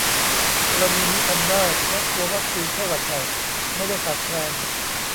กรณีนี้ทำได้ เพราะตัววัคซีนไข้หวัดใหญ่ไม่ได้ขาดแคลน